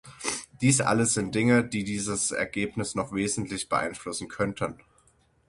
Dies alles sind Dinge, die dieses Ergebnis noch wesentlich beeinflussen könnten.